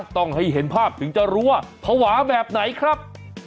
ต้องให้เห็นภาพถึงจะรู้ว่าภาวะแบบไหนครับ